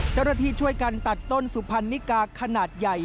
เจ้าหน้าที่ช่วยกันตัดต้นสุพรรณนิกาขนาดใหญ่